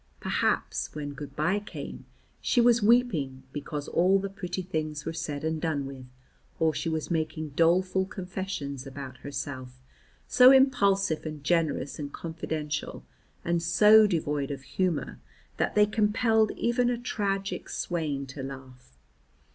Perhaps, when good bye came she was weeping because all the pretty things were said and done with, or she was making doleful confessions about herself, so impulsive and generous and confidential, and so devoid of humour, that they compelled even a tragic swain to laugh.